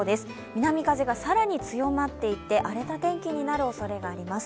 南風が更に強まっていって荒れた天気になるおそれがあります。